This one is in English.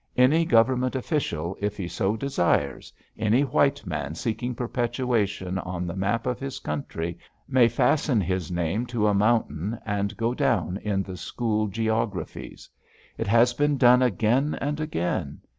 Any Government official, if he so desires, any white man seeking perpetuation on the map of his country, may fasten his name to a mountain and go down in the school geographies. It has been done again and again.